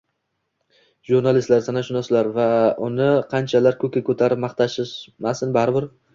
Jurnalistlar, san’atshunoslar uni qanchalar ko‘kka ko‘tarib maqtashmasin, baribir